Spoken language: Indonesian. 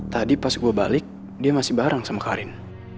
tadi pas gue balik dia masih bareng sama karin